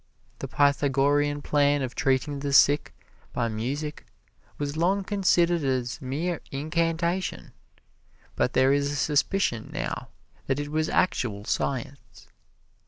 The Pythagorean plan of treating the sick by music was long considered as mere incantation, but there is a suspicion now that it was actual science.